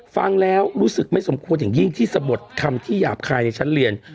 ฟังแล้วรู้สึกไม่สมควรอย่างยิ่งที่สะบดคำที่หยาบคายในชั้นเรียน